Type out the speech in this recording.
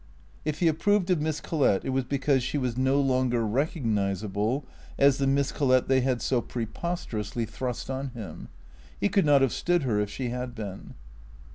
If he approved of Miss Collett it was because she was no longer recognizable as the Miss Collett they had so preposterously thrust on him. He could not have stood her if she had been.